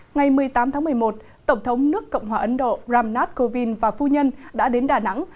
ngày một mươi tám tháng một mươi một tổng thống nước cộng hòa ấn độ ramnath kovind và phu nhân đã đến đà nẵng